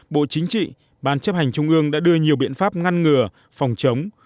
bộ chính trị ban chấp hành trung ương đã đưa nhiều biện pháp ngăn ngừa phòng chống